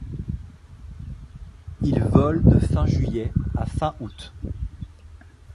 Il vole de fin juillet à fin août.